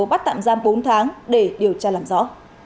bắt tạm giam bốn tháng để điều tra làm rõ